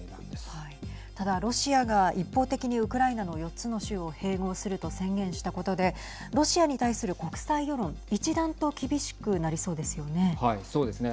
ただ、ロシアが一方的にウクライナの４つの州を併合すると宣言したことでロシアに対する国際世論一段と厳しくなりそうですよね。